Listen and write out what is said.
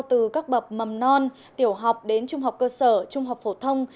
từ các bậc mầm non tiểu học đến trung học cơ sở trung học phổ thông